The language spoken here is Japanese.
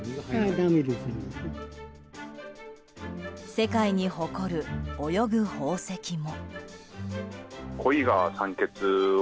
世界に誇る、泳ぐ宝石も。